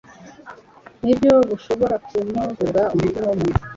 ni bwo bushobora kumhura umutima w'umuntu.